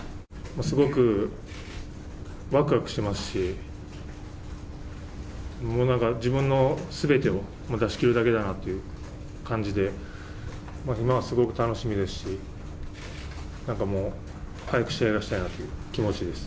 すごくワクワクしてますし、自分の全てを出し切るだけだなという感じで今はすごく楽しみですし、なんかもう早く試合がしたいなという気持ちです。